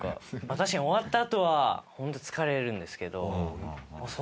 確かに終わったあとはホント疲れるんですけど。